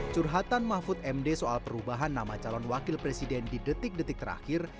curhatan mahfud md soal perubahan nama calon wakil presiden di detik detik terakhir